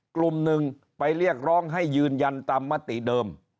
กลุ่มหนึ่งไปเรียกร้องให้ยืนยันตามมติเดิม